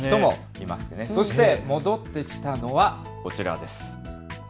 そして戻ってきたのはこちらです。